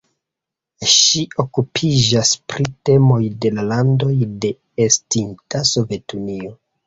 Ŝi okupiĝas pri temoj de la landoj de estinta Sovetunio.